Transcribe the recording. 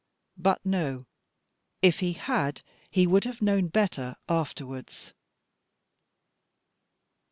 But no; if he had, he would have known better afterwards.